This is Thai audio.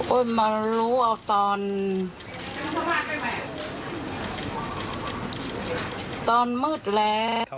มารู้เอาตอนตอนมืดแล้ว